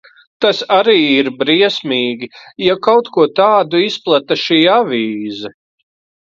Tas arī ir briesmīgi, ja kaut ko tādu izplata šī avīze.